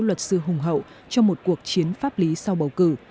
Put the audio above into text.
luật sư hùng hậu cho một cuộc chiến pháp lý sau bầu cử